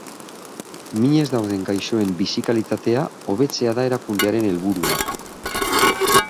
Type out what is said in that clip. Minez dauden gaixoen bizi kalitatea hobetzea da erakundearen helburua.